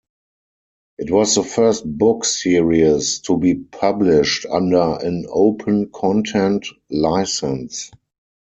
It was the first book series to be published under an open content license.